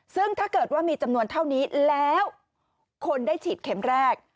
ซึ่งถ้าเกิดว่ามีจำนวนเท่านี้แล้วคนได้ฉีดเข็มแรก